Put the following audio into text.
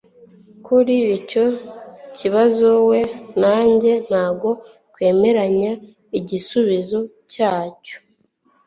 Kuri icyo kibazo, we na njye ntabwo twemeranya igisubizo cyacyo.